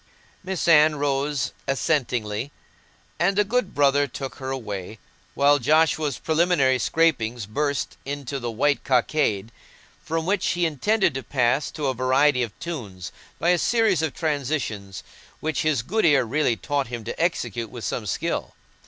Miss Anne rose assentingly, and the good brother took her away, while Joshua's preliminary scrapings burst into the "White Cockade," from which he intended to pass to a variety of tunes, by a series of transitions which his good ear really taught him to execute with some skill.